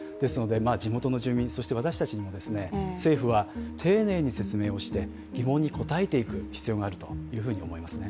地元の住民、そして私たちにも政府は丁寧に説明をして、疑問に答えていく必要があるというふうに思いますね。